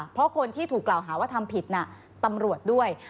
เพราะคนที่ถูกกล่าวหาว่าทำผิดน่ะตำรวจด้วย